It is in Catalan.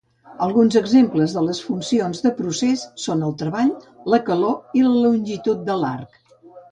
Alguns exemples de les funcions de procés són el treball, la calor i la longitud de l'arc.